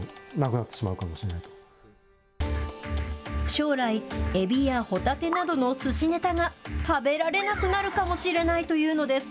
将来、エビやホタテなどのすしネタが食べられなくなるかもしれないというのです。